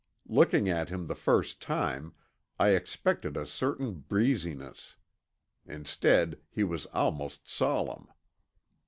Looking at him the first time, I expected a certain breeziness. instead, he was almost solemn.